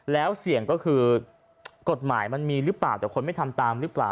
แล้วเสี่ยงก็คือกฎหมายมันมีหรือเปล่าแต่คนไม่ทำตามหรือเปล่า